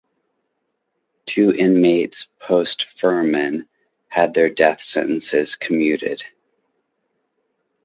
Two inmates post-"Furman" had their death sentences commuted.